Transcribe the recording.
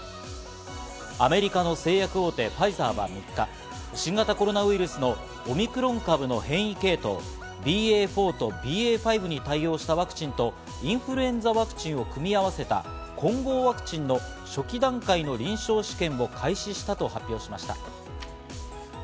アメリカの製薬大手・ファイザーは３日、新型コロナウイルスのオミクロン株の変異系統、ＢＡ．４とＢＡ．５に対応したワクチンとインフルエンザワクチンを組み合わせた混合ワクチンの初期段階の臨床試験を開始したと発表しました。